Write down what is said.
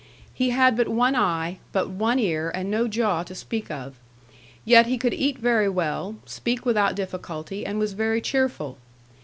He had but one eye, but one ear, and no jaw to speak of. Yet he could eat very well, speak without difficulty, and was very cheerful.